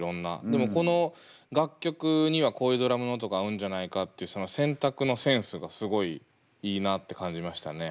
でもこの楽曲にはこういうドラムの音が合うんじゃないかっていうその選択のセンスがすごいいいなって感じましたね。